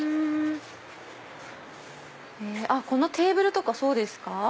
あっこのテーブルそうですか？